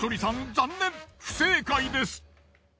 残念不正解です。